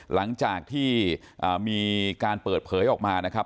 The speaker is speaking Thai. หลังจากที่มีการเปิดเผยออกมานะครับ